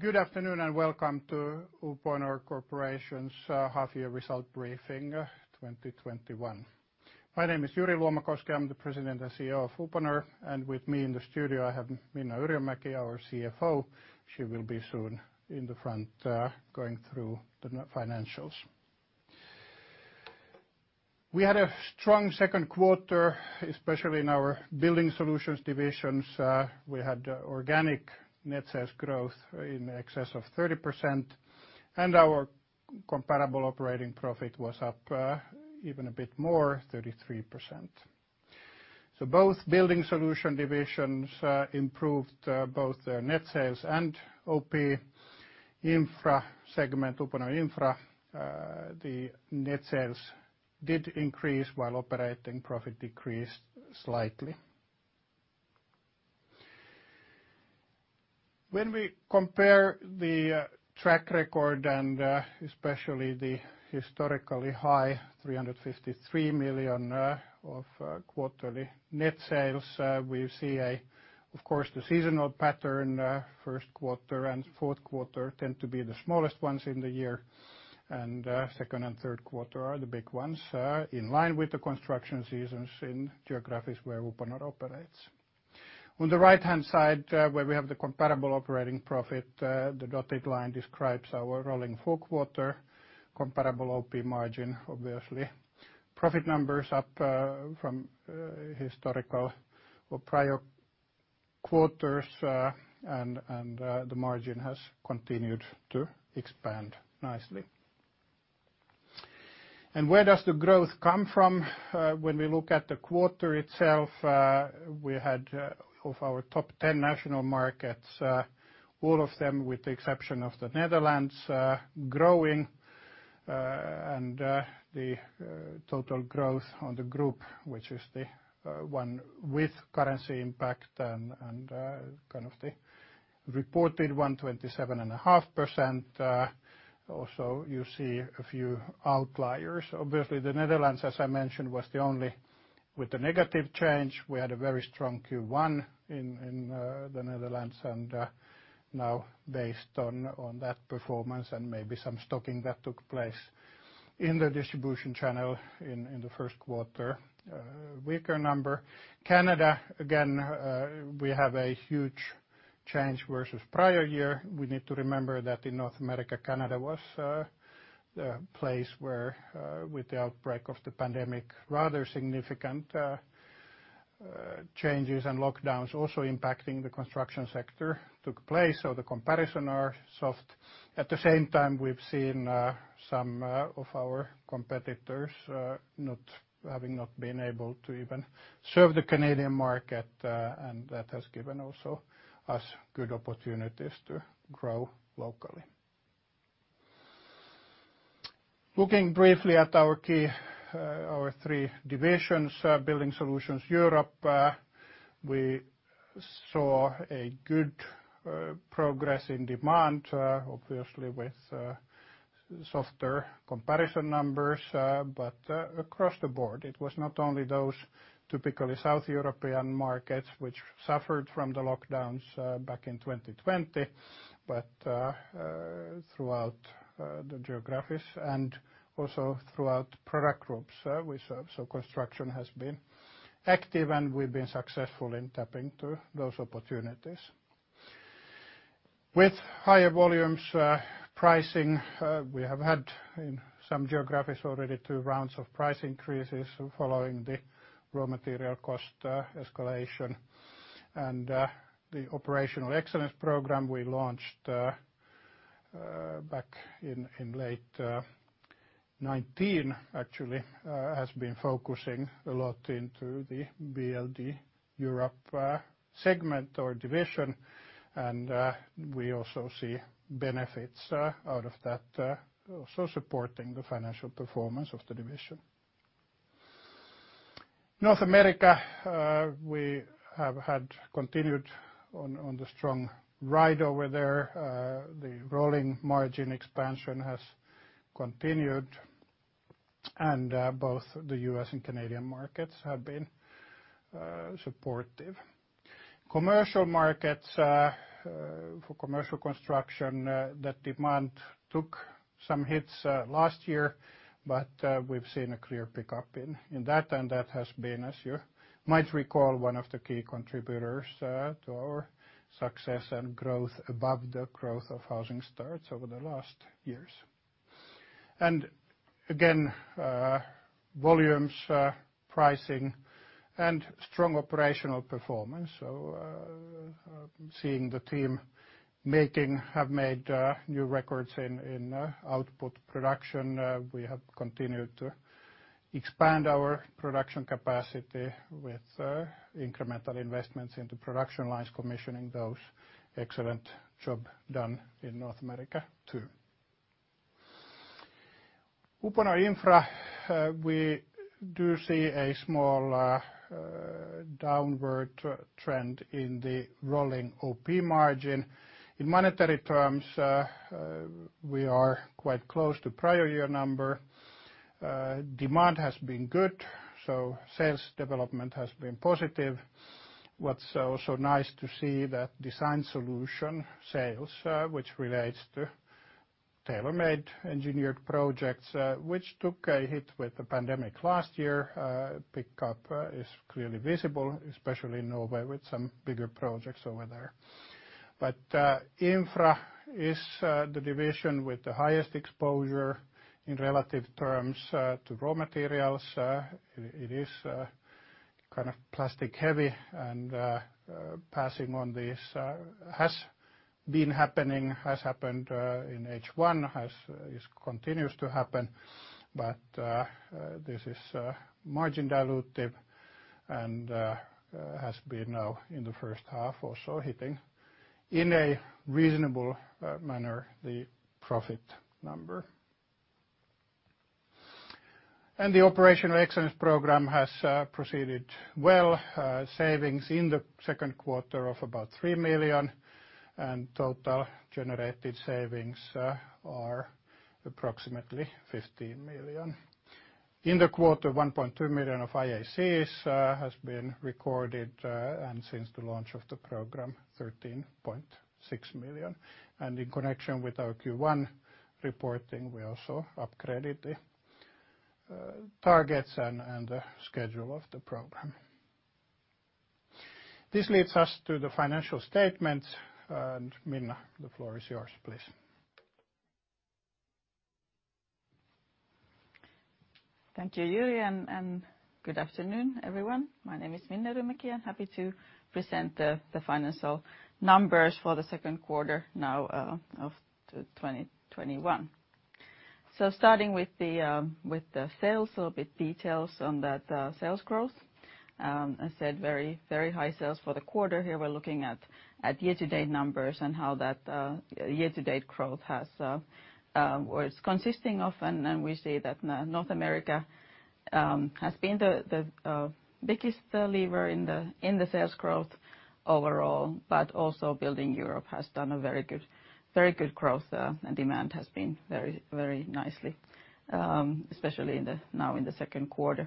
Good afternoon, welcome to Uponor Corporation's half-year result briefing 2021. My name is Jyri Luomakoski. I'm the President and CEO of Uponor, and with me in the studio, I have Minna Yrjönmäki, our CFO. She will be soon in the front going through the financials. We had a strong second quarter, especially in our Building Solutions divisions. We had organic net sales growth in excess of 30%, and our comparable operating profit was up even a bit more, 33%. Both Building Solutions divisions improved both their net sales and Uponor Infra segment. Uponor Infra, the net sales did increase while operating profit decreased slightly. When we compare the track record and especially the historically high 353 million of quarterly net sales, we see, of course, the seasonal pattern. First quarter and fourth quarter tend to be the smallest ones in the year. Second and third quarter are the big ones, in line with the construction seasons in geographies where Uponor operates. On the right-hand side where we have the comparable operating profit, the dotted line describes our rolling full quarter comparable OP margin, obviously. Profit numbers up from historical or prior quarters. The margin has continued to expand nicely. Where does the growth come from? When we look at the quarter itself, we had, of our top 10 national markets, all of them, with the exception of the Netherlands, growing. The total growth on the group, which is the one with currency impact and the reported one, 27.5%. Also, you see a few outliers. Obviously, the Netherlands, as I mentioned, was the only with the negative change. We had a very strong Q1 in the Netherlands, and now based on that performance and maybe some stocking that took place in the distribution channel in the first quarter, a weaker number. Canada, again, we have a huge change versus prior year. We need to remember that in North America, Canada was the place where with the outbreak of the pandemic, rather significant changes and lockdowns also impacting the construction sector took place. The comparison are soft. At the same time, we've seen some of our competitors having not been able to even serve the Canadian market, and that has given also us good opportunities to grow locally. Looking briefly at our three divisions. Building Solutions – Europe, we saw a good progress in demand, obviously, with softer comparison numbers, but across the board. It was not only those typically South European markets which suffered from the lockdowns back in 2020, but throughout the geographies and also throughout product groups we serve. Construction has been active, and we've been successful in tapping to those opportunities. With higher volumes pricing, we have had in some geographies already two rounds of price increases following the raw material cost escalation. The Operational Excellence Program we launched back in late 2019, actually, has been focusing a lot into the BLD Europe segment or division, and we also see benefits out of that also supporting the financial performance of the division. North America, we have had continued on the strong ride over there. The rolling margin expansion has continued, and both the US and Canadian markets have been supportive. Commercial markets for commercial construction, that demand took some hits last year, but we've seen a clear pickup in that, and that has been, as you might recall, one of the key contributors to our success and growth above the growth of housing starts over the last years. Again, volumes, pricing, and strong operational performance. Seeing the team have made new records in output production. We have continued to expand our production capacity with incremental investments into production lines, commissioning those. Excellent job done in North America, too. Uponor Infra, we do see a small downward trend in the rolling OP margin. In monetary terms, we are quite close to prior year number. Demand has been good, so sales development has been positive. What's also nice to see that design solution sales, which relates to tailor-made engineered projects, which took a hit with the pandemic last year, pick-up is clearly visible, especially in Norway with some bigger projects over there. Infra is the division with the highest exposure in relative terms to raw materials. It is plastic heavy, and passing on this has been happening, has happened in H1, it continues to happen, but this is margin dilutive and has been now in the first half also hitting in a reasonable manner the profit number. The Operational Excellence Program has proceeded well. Savings in the second quarter of about 3 million, and total generated savings are approximately 15 million. In the quarter, 1.2 million of IACs has been recorded, and since the launch of the program, 13.6 million. In connection with our Q1 reporting, we also upgraded the targets and the schedule of the program. This leads us to the financial statements. Minna, the floor is yours, please. Thank you, Jyri, and good afternoon, everyone. My name is Minna Yrjönmäki, happy to present the financial numbers for the second quarter now of 2021. Starting with the sales, a little bit details on that sales growth. I said very high sales for the quarter. Here we're looking at year-to-date numbers and how that year-to-date growth has, or is consisting of, and we see that North America has been the biggest lever in the sales growth overall, but also Building Solutions – Europe has done a very good growth, and demand has been very nicely, especially now in the second quarter.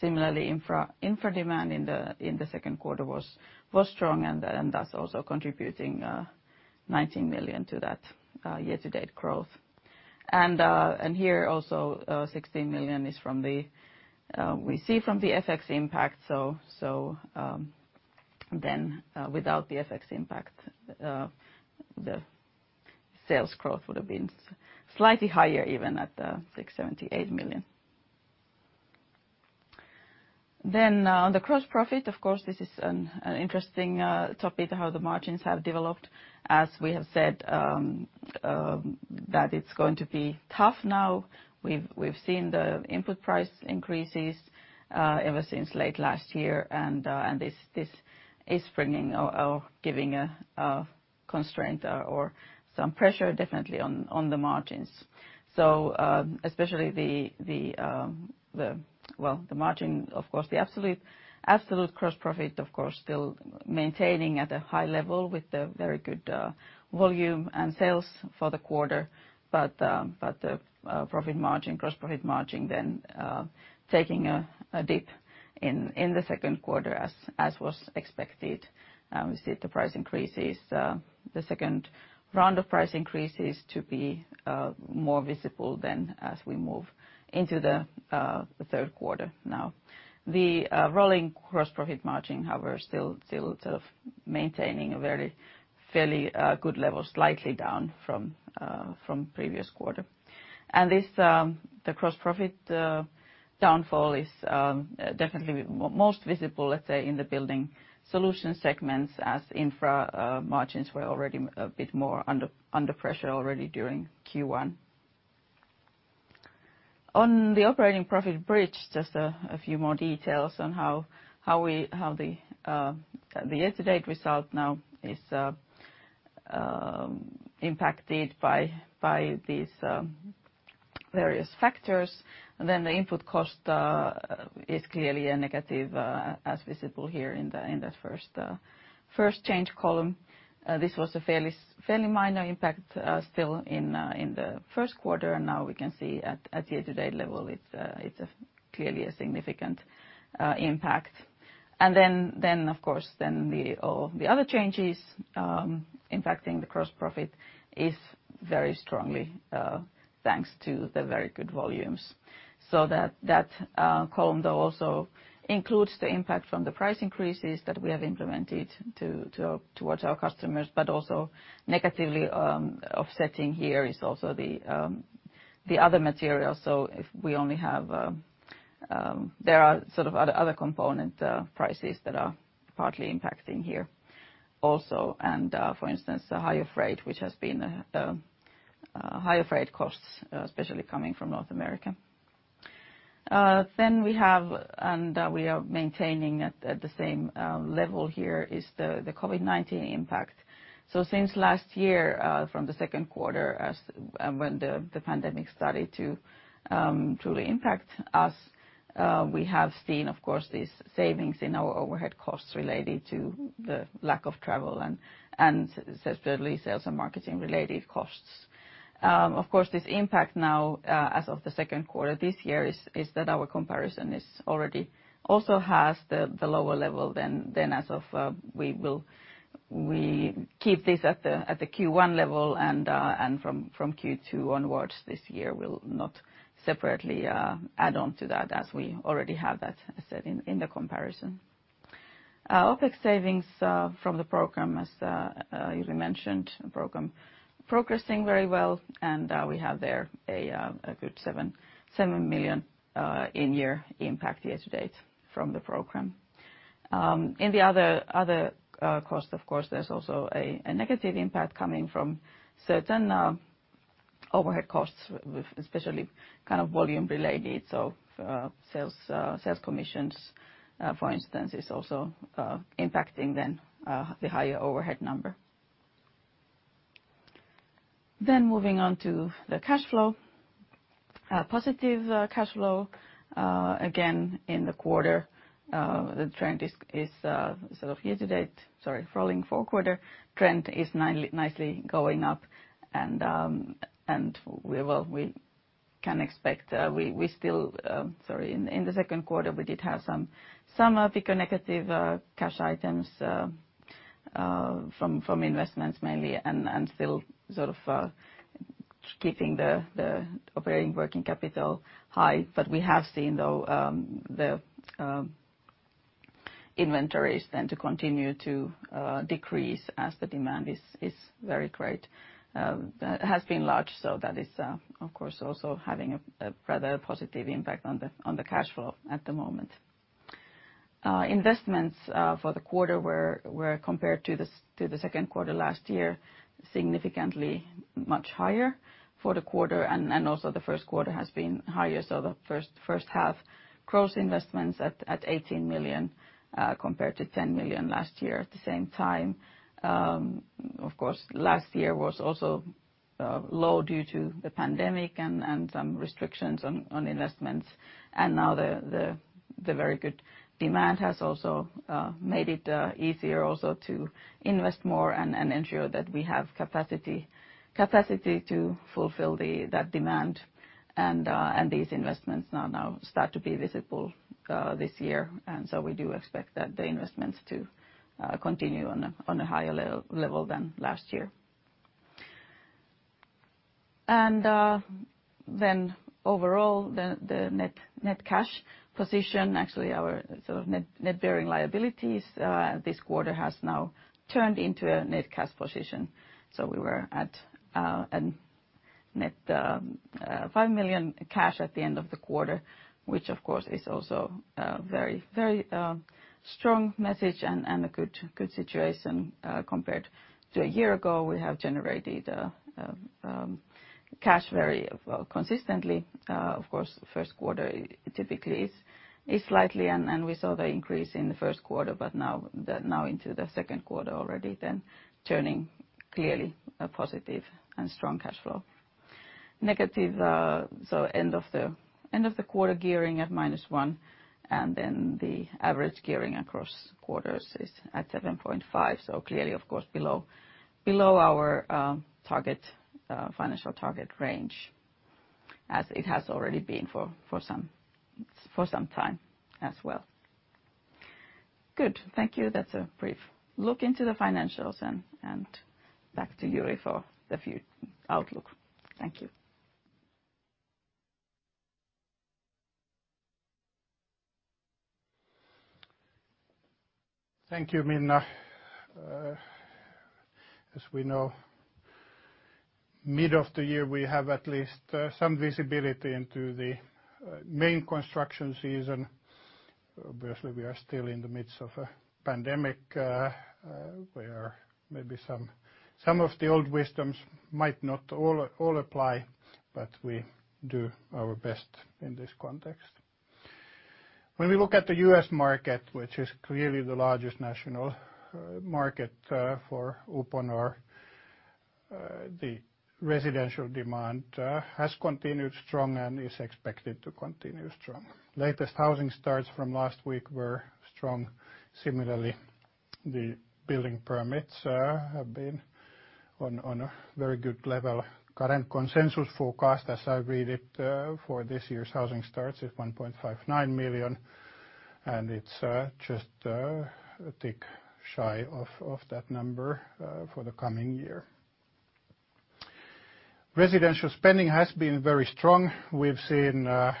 Similarly, Uponor Infra demand in the second quarter was strong, and thus also contributing 19 million to that year-to-date growth. Here also, 16 million we see from the FX impact. Without the FX impact, the sales growth would've been slightly higher, even at 678 million. On the gross profit, of course, this is an interesting topic how the margins have developed, as we have said that it's going to be tough now. We've seen the input price increases ever since late last year, and this is bringing or giving a constraint or some pressure definitely on the margins. Especially the, well, the margin, of course, the absolute gross profit, of course, still maintaining at a high level with the very good volume and sales for the quarter. The profit margin, gross profit margin then taking a dip in the second quarter as was expected. We see that the price increases, the second round of price increases to be more visible than as we move into the third quarter now. The rolling gross profit margin, however, still maintaining a very fairly good level, slightly down from previous quarter. The gross profit downfall is definitely most visible, let's say, in the Building Solutions segments, as Infra margins were a bit more under pressure already during Q1. On the operating profit bridge, just a few more details on how the year-to-date result now is impacted by these various factors, and then the input cost is clearly a negative, as visible here in that first change column. This was a fairly minor impact still in the first quarter, and now we can see at year-to-date level, it's clearly a significant impact. Of course, then the other changes impacting the gross profit is very strongly, thanks to the very good volumes. That column though also includes the impact from the price increases that we have implemented towards our customers, but also negatively offsetting here is also the other material. There are other component prices that are partly impacting here also. For instance, the higher freight costs, especially coming from North America. We have, and we are maintaining at the same level here is the COVID-19 impact. Since last year, from the second quarter, when the pandemic started to truly impact us. We have seen, of course, these savings in our overhead costs related to the lack of travel and especially sales and marketing related costs. Of course, this impact now as of the second quarter this year is that our comparison already also has the lower level than as of. We keep this at the Q1 level, and from Q2 onwards this year, we'll not separately add on to that as we already have that set in the comparison. OpEx savings from the program, as usually mentioned, the program progressing very well, and we have there a good 7 million in year impact year to date from the program. In the other cost, of course, there's also a negative impact coming from certain overhead costs, especially volume related, so sales commissions, for instance, is also impacting then the higher overhead number. Moving on to the cash flow. Positive cash flow again in the quarter. Rolling four-quarter trend is nicely going up, and we can expect. In the second quarter, we did have some bigger negative cash items from investments mainly and still keeping the operating working capital high. We have seen, though, the inventories then to continue to decrease as the demand is very great. That has been large. That is, of course, also having a rather positive impact on the cash flow at the moment. Investments for the quarter were compared to the second quarter last year, significantly much higher for the quarter, and also the first quarter has been higher. The first half gross investments at 18 million compared to 10 million last year at the same time. Of course, last year was also low due to the pandemic and some restrictions on investments. Now the very good demand has also made it easier also to invest more and ensure that we have capacity to fulfill that demand. These investments now start to be visible this year. We do expect the investments to continue on a higher level than last year. Overall, the net cash position, actually our net bearing liabilities this quarter has now turned into a net cash position. We were at net 5 million cash at the end of the quarter, which of course is also a very strong message and a good situation compared to a year ago. We have generated cash very consistently. Of course, first quarter typically, and we saw the increase in the first quarter, but now into the second quarter already then turning clearly a positive and strong cash flow. Negative, end of the quarter gearing at -1, and then the average gearing across quarters is at 7.5%. Clearly, of course, below our financial target range, as it has already been for some time as well. Good. Thank you. That's a brief look into the financials and back to Jyri for the outlook. Thank you. Thank you, Minna. As we know, mid of the year, we have at least some visibility into the main construction season. Obviously, we are still in the midst of a pandemic, where maybe some of the old wisdoms might not all apply, but we do our best in this context. When we look at the U.S. market, which is clearly the largest national market for Uponor, the residential demand has continued strong and is expected to continue strong. Latest housing starts from last week were strong. Similarly, the building permits have been on a very good level. Current consensus forecast, as I read it, for this year's housing starts is 1.59 million, and it's just a tick shy of that number for the coming year. Residential spending has been very strong. We've seen a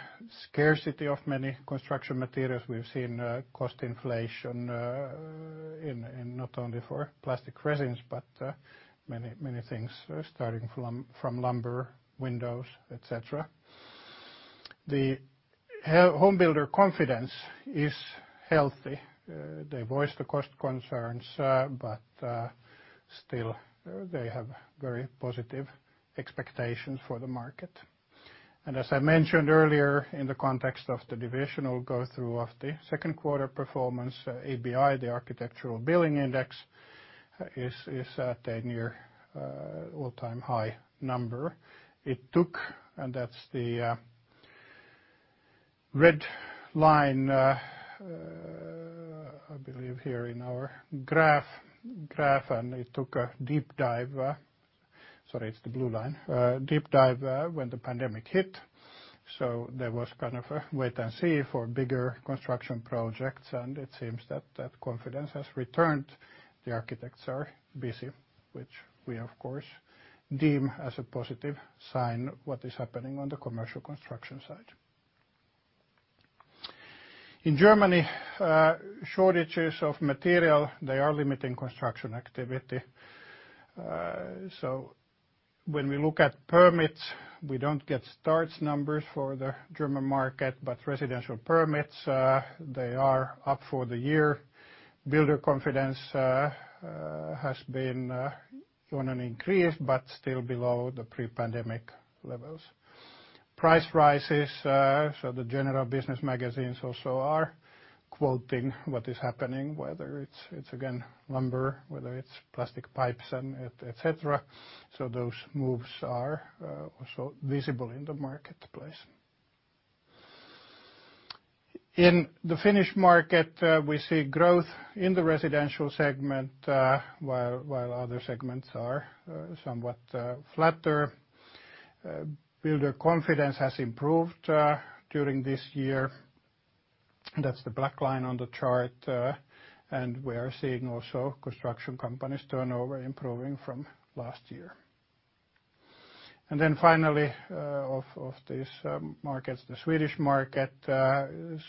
scarcity of many construction materials. We've seen cost inflation not only for plastic resins, but many things, starting from lumber, windows, et cetera. The home builder confidence is healthy. Still they have very positive expectations for the market. As I mentioned earlier, in the context of the divisional go-through of the second quarter performance, ABI, the Architecture Billings Index is at a near all-time high number. It took, and that's the red line, I believe, here in our graph, and it took a deep dive. Sorry, it's the blue line, a deep dive when the pandemic hit. There was kind of a wait and see for bigger construction projects. It seems that confidence has returned. The architects are busy, which we, of course, deem as a positive sign what is happening on the commercial construction side. In Germany, shortages of material, they are limiting construction activity. When we look at permits, we don't get starts numbers for the German market, but residential permits they are up for the year. Builder confidence has been on an increase, but still below the pre-pandemic levels. Price rises, so the general business magazines also are quoting what is happening, whether it's, again, lumber, whether it's plastic pipes, et cetera. Those moves are also visible in the marketplace. In the Finnish market, we see growth in the residential segment while other segments are somewhat flatter. Builder confidence has improved during this year. That's the black line on the chart. We are seeing also construction companies' turnover improving from last year. Finally, of these markets, the Swedish market,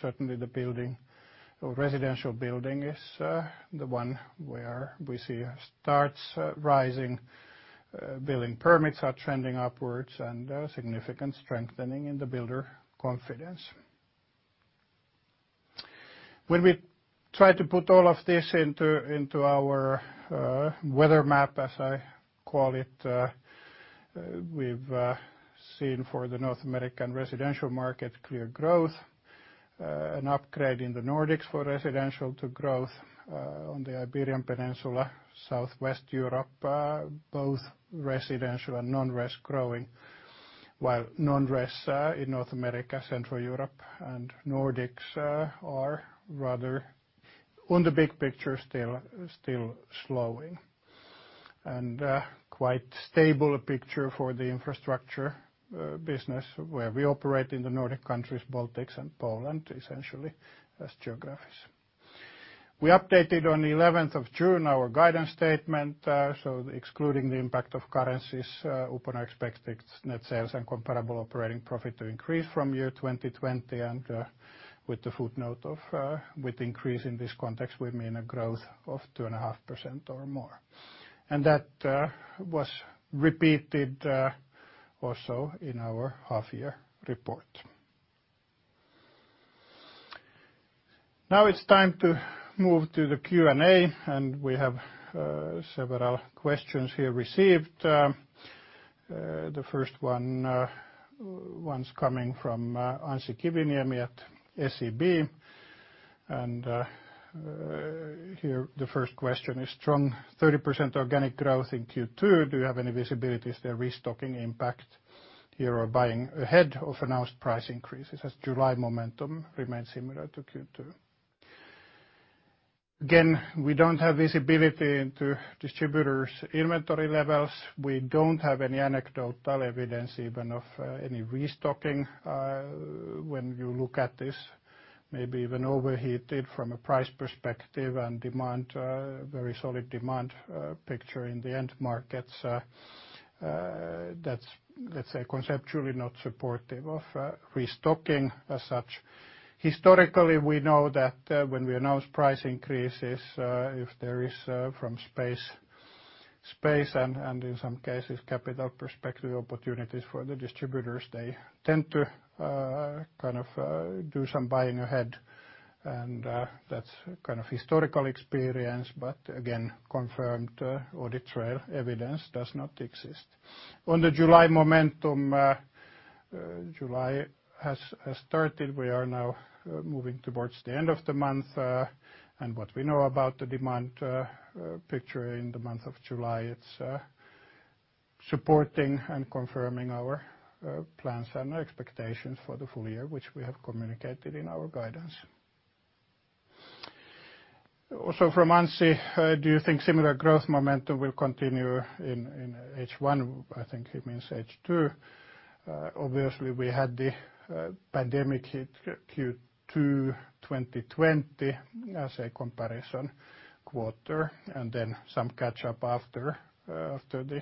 certainly the residential building is the one where we see starts rising building permits are trending upwards and a significant strengthening in the builder confidence. When we try to put all of this into our weather map, as I call it, we've seen for the North American residential market clear growth, an upgrade in the Nordics for residential to growth on the Iberian Peninsula, Southwest Europe, both residential and non-res growing. While non-res in North America, Central Europe, and Nordics are rather on the big picture still slowing. Quite stable picture for the infrastructure business where we operate in the Nordic countries, Baltics and Poland essentially as geographies. We updated on the 11th of June our guidance statement. Excluding the impact of currencies, Uponor expects net sales and comparable operating profit to increase from year 2020 and with the footnote of with increase in this context we mean a growth of 2.5% or more. That was repeated also in our half-year report. Now it's time to move to the Q&A, and we have several questions here received. The first one's coming from Anssi Kiviniemi at SEB. Here the first question is strong 30% organic growth in Q2. Do you have any visibility? Is there restocking impact here or buying ahead of announced price increases as July momentum remains similar to Q2? Again, we don't have visibility into distributors' inventory levels. We don't have any anecdotal evidence even of any restocking. When you look at this, maybe even overheated from a price perspective and very solid demand picture in the end markets, that's conceptually not supportive of restocking as such. Historically, we know that when we announce price increases, if there is from space and in some cases capital perspective opportunities for the distributors, they tend to do some buying ahead. That's historical experience. Again, confirmed audit trail evidence does not exist. On the July momentum, July has started. We are now moving towards the end of the month. What we know about the demand picture in the month of July, it's supporting and confirming our plans and expectations for the full year, which we have communicated in our guidance. Also from Anssi, do you think similar growth momentum will continue in H1? I think he means H2. Obviously, we had the pandemic hit Q2 2020 as a comparison quarter, and then some catch up after the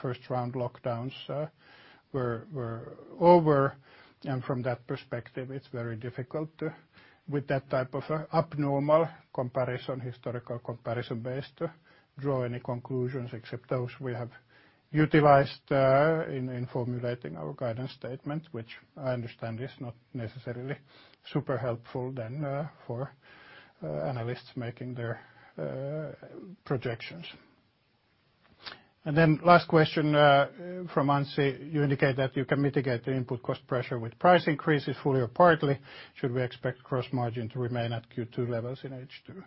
first-round lockdowns were over. From that perspective, it's very difficult with that type of abnormal comparison, historical comparison base to draw any conclusions except those we have utilized in formulating our guidance statement, which I understand is not necessarily super helpful then for analysts making their projections. Last question from Anssi. You indicate that you can mitigate the input cost pressure with price increases fully or partly. Should we expect gross margin to remain at Q2 levels in H2?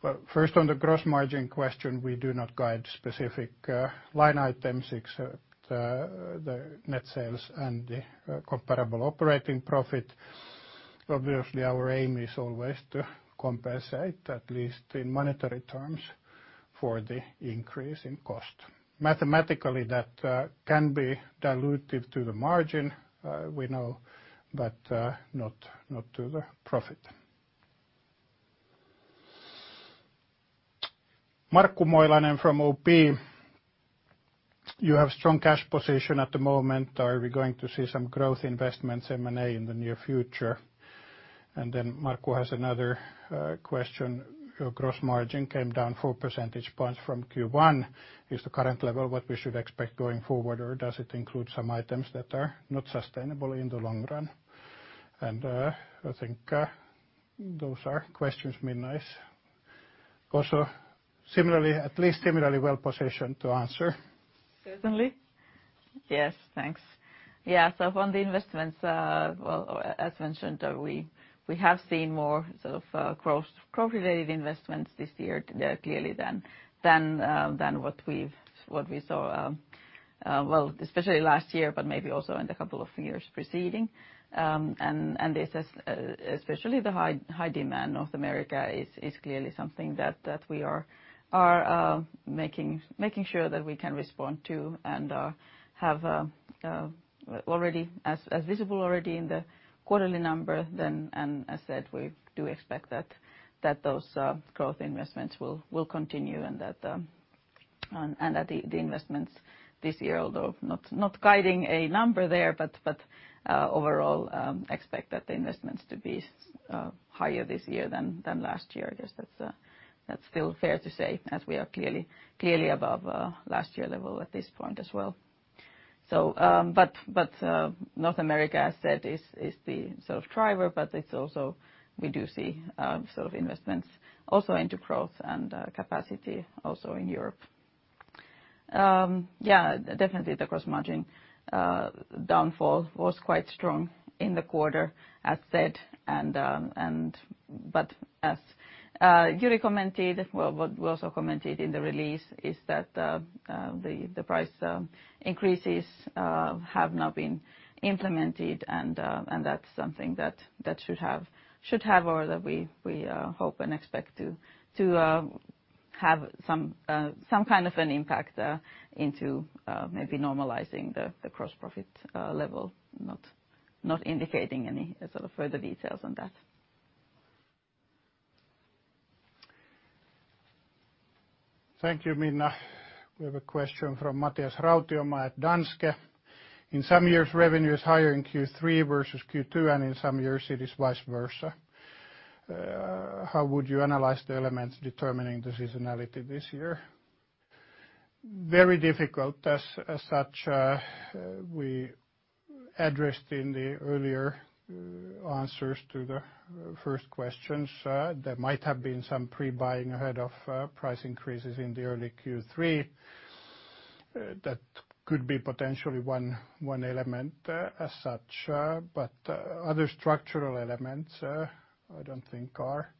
Well, first on the gross margin question, we do not guide specific line item six, the net sales and the comparable operating profit. Obviously, our aim is always to compensate at least in monetary terms for the increase in cost. Mathematically, that can be diluted to the margin, we know, but not to the profit. Markku Moilanen from OP, "You have strong cash position at the moment. Are we going to see some growth investments M&A in the near future?" Then Markku has another question. "Your gross margin came down 4 percentage points from Q1. Is the current level what we should expect going forward, or does it include some items that are not sustainable in the long run? I think those are questions Minna is also at least similarly well-positioned to answer. Certainly. Yes. Thanks. Yeah. On the investments, well, as mentioned, we have seen more growth-related investments this year, clearly, than what we saw, especially last year, but maybe also in the couple of years preceding. Especially the high demand, North America is clearly something that we are making sure that we can respond to and as visible already in the quarterly number then, and as said, we do expect that those growth investments will continue and that the investments this year, although not guiding a number there, but overall expect that the investments to be higher this year than last year. I guess that's still fair to say as we are clearly above last year level at this point as well. North America, as said, is the driver, but we do see investments also into growth and capacity also in Europe. Yeah, definitely the gross margin downfall was quite strong in the quarter, as said. As Jyri commented, what we also commented in the release is that the price increases have now been implemented, and that's something that should have or that we hope and expect to have some kind of an impact into maybe normalizing the gross profit level, not indicating any sort of further details on that. Thank you, Minna. We have a question from Matias Rautiomaa at Danske. "In some years, revenue is higher in Q3 versus Q2, and in some years it is vice versa. How would you analyze the elements determining the seasonality this year?" Very difficult as such. We addressed in the earlier answers to the first questions, there might have been some pre-buying ahead of price increases in the early Q3. That could be potentially one element as such, but other structural elements, I don't think are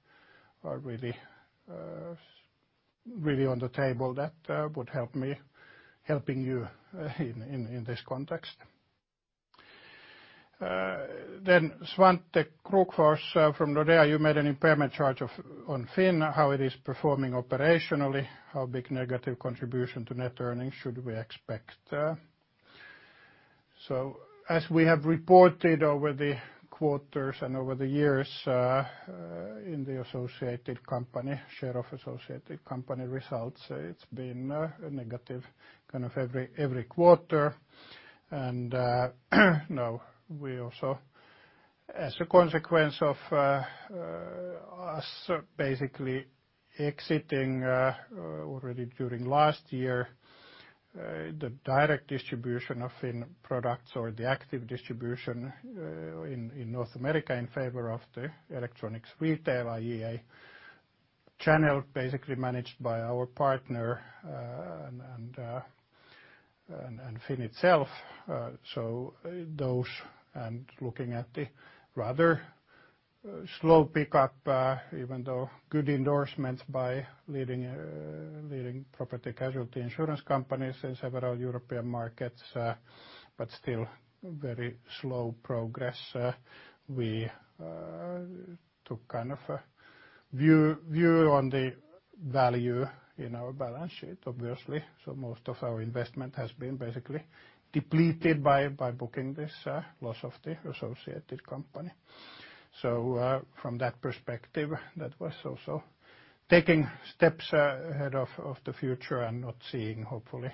really on the table that would help me helping you in this context. Svante Krokfors from Nordea, "You made an impairment charge on Phyn, how it is performing operationally? How big negative contribution to net earnings should we expect? As we have reported over the quarters and over the years in the associated company, share of associated company results, it's been negative every quarter. Now we also, as a consequence of us basically exiting already during last year, the direct distribution of Phyn products or the active distribution in North America in favor of the electronics retail, i.e. a channel basically managed by our partner and Phyn itself. Looking at the rather slow pickup, even though good endorsements by leading property and casualty insurance companies in several European markets, but still very slow progress. We took a view on the value in our balance sheet, obviously. Most of our investment has been basically depleted by booking this loss of the associated company. From that perspective, that was also taking steps ahead of the future and not seeing hopefully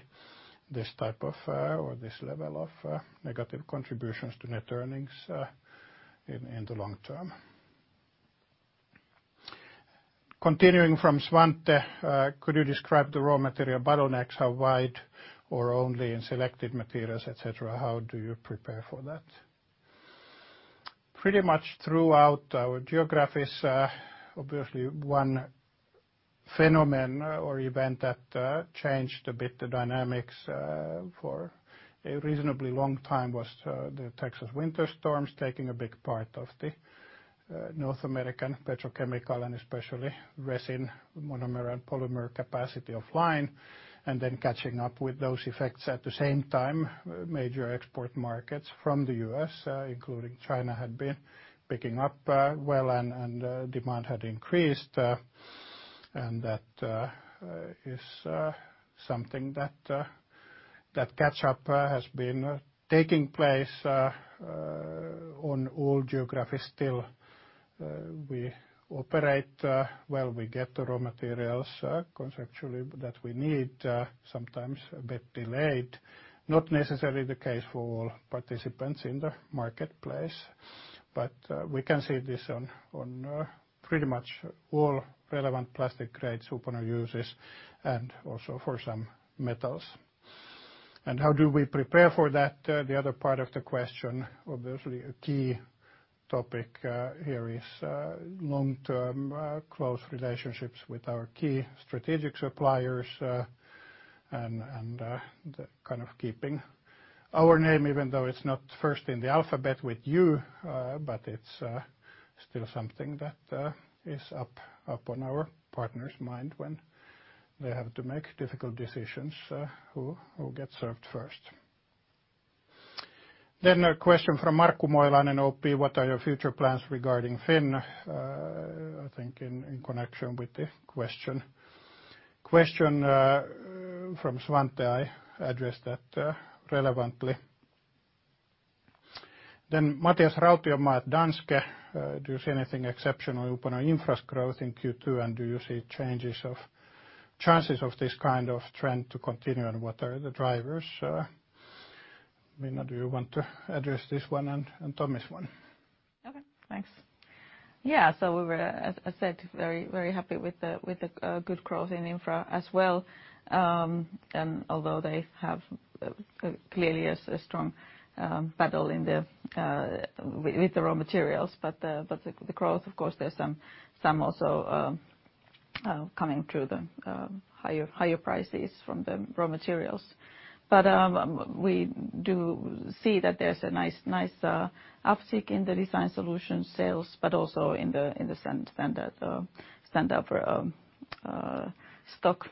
this type of or this level of negative contributions to net earnings in the long term. Continuing from Svante, "Could you describe the raw material bottlenecks, how wide or only in selected materials, et cetera? How do you prepare for that?" Pretty much throughout our geographies, obviously one phenomenon or event that changed a bit the dynamics for a reasonably long time was the Texas winter storms taking a big part of North American petrochemical and especially resin, monomer and polymer capacity offline, and then catching up with those effects. At the same time, major export markets from the U.S., including China, had been picking up well and demand had increased. That is something that catch-up has been taking place on all geographies still. We operate well, we get the raw materials conceptually that we need, sometimes a bit delayed. Not necessarily the case for all participants in the marketplace. We can see this on pretty much all relevant plastic grades Uponor uses and also for some metals. How do we prepare for that? The other part of the question, obviously a key topic here is long-term close relationships with our key strategic suppliers and kind of keeping our name, even though it's not first in the alphabet with you, but it's still something that is up on our partners' mind when they have to make difficult decisions who get served first. A question from Markku Moilanen, OP. "What are your future plans regarding Phyn?" I think in connection with the question. Question from Svante, I addressed that relevantly. Matias Rautiomaa, Danske. Do you see anything exceptional Uponor Infra's growth in Q2, and do you see chances of this kind of trend to continue, and what are the drivers? Minna, do you want to address this one and Tommi's one? Okay, thanks. We were, as I said, very happy with the good growth in Infra as well. Although they have clearly a strong battle with the raw materials, the growth, of course, there's some also coming through the higher prices from the raw materials. We do see that there's a nice uptick in the design solution sales, but also in the standard stock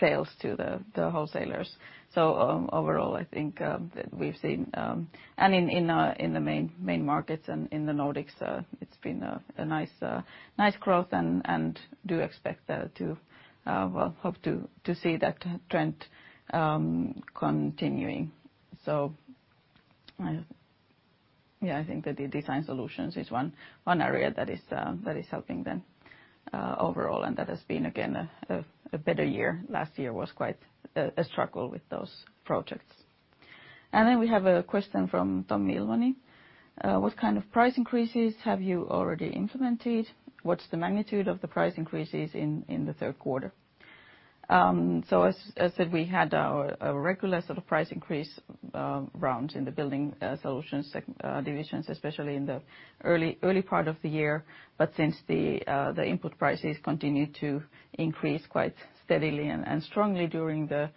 sales to the wholesalers. Overall, I think that we've seen in the main markets and in the Nordics, it's been a nice growth and do expect that to hope to see that trend continuing. I think that the design solutions is one area that is helping them overall and that has been again, a better year. Last year was quite a struggle with those projects. We have a question from Tommi Ilves. What kind of price increases have you already implemented? What's the magnitude of the price increases in the third quarter? As I said, we had our regular sort of price increase rounds in the building solutions divisions, especially in the early part of the year. Since the input prices continued to increase quite steadily and strongly during the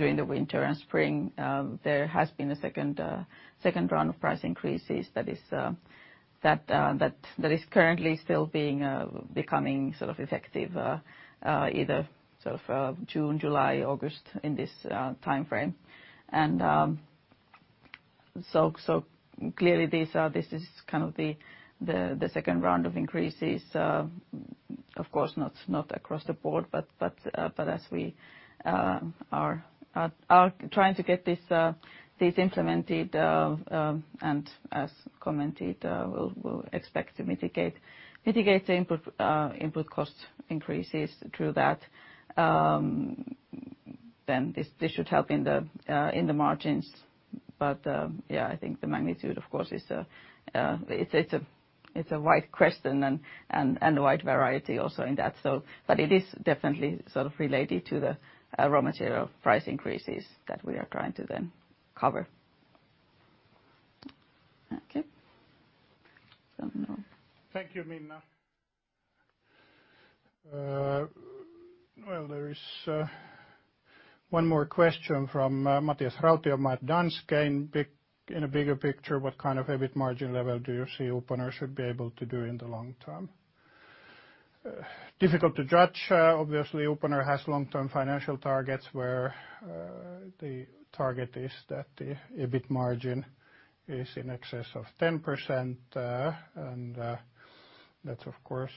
winter and spring, there has been a second round of price increases that is currently still becoming sort of effective either sort of June, July, August in this timeframe. Clearly this is kind of the second round of increases, of course, not across the board, but as we are trying to get these implemented, and as commented, we'll expect to mitigate the input cost increases through that, then this should help in the margins. Yeah, I think the magnitude, of course, it's a wide question and a wide variety also in that. It is definitely sort of related to the raw material price increases that we are trying to then cover. Okay. Now. Thank you, Minna. There is 1 more question from Matias Rautiomaa, Danske Bank. "In a bigger picture, what kind of EBIT margin level do you see Uponor should be able to do in the long term?" Difficult to judge. Obviously, Uponor has long-term financial targets where the target is that the EBIT margin is in excess of 10%, and that's, of course,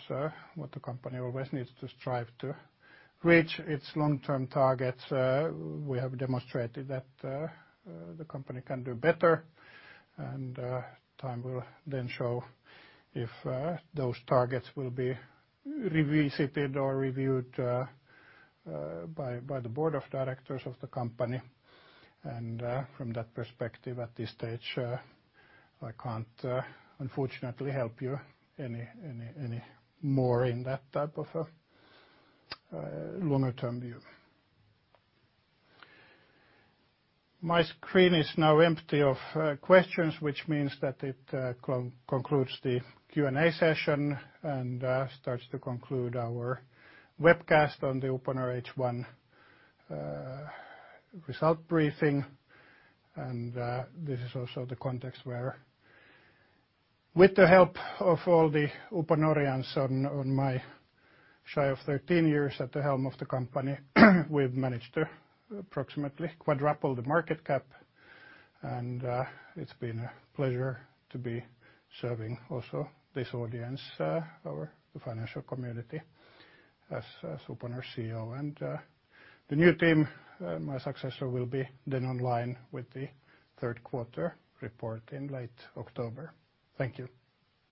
what the company always needs to strive to reach its long-term targets. We have demonstrated that the company can do better, and time will then show if those targets will be revisited or reviewed by the board of directors of the company. From that perspective, at this stage, I can't unfortunately help you any more in that type of a longer term view. My screen is now empty of questions, which means that it concludes the Q&A session and starts to conclude our webcast on the Uponor H1 result briefing. This is also the context where with the help of all the Uponorians on my shy of 13 years at the helm of the company, we've managed to approximately quadruple the market cap, and it's been a pleasure to be serving also this audience, our financial community as Uponor CEO. The new team, my successor will be then online with the third quarter report in late October. Thank you.